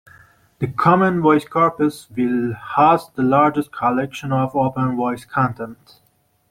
The common voice corpus will host the largest collection of open voice content.